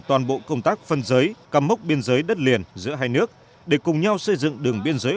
toàn bộ công tác phân giới cắm mốc biên giới đất liền giữa hai nước để cùng nhau xây dựng đường biên giới